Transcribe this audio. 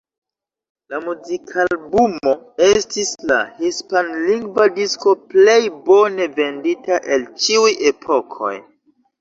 La muzikalbumo estis la hispanlingva disko plej bone vendita el ĉiuj epokoj.